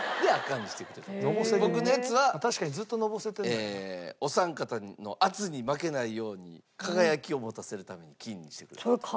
僕のやつはお三方の圧に負けないように輝きを持たせるために金にしてくれた。